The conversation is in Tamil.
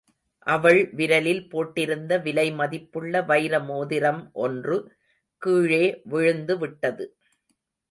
அவள் விரலில் போட்டிருந்த விலை மதிப்புள்ள வைர மோதிரம் ஒன்று கீழே விழுந்து விட்டது.